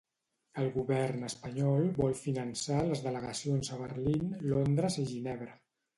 El govern espanyol vol finançar les delegacions a Berlín, Londres i Ginebra